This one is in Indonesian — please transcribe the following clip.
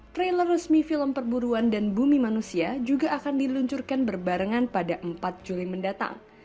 trailer resmi film perburuan dan bumi manusia juga akan diluncurkan berbarengan pada empat juli mendatang